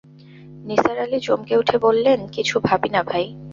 নিসার আলি চমকে উঠে বললেন, কিছু ভাবি না ভাই।